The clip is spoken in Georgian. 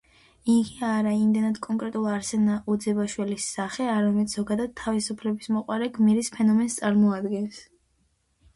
იგი არა იმდენად კონკრეტულ არსენა ოძელაშვილის სახე, არამედ ზოგადად თავისუფლებისმოყვარე გმირის ფენომენს წარმოადგენს.